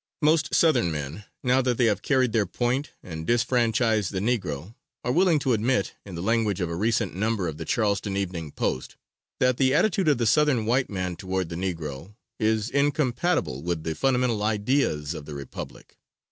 Most Southern men, now that they have carried their point and disfranchised the Negro, are willing to admit, in the language of a recent number of the Charleston Evening Post, that "the attitude of the Southern white man toward the Negro is incompatible with the fundamental ideas of the republic."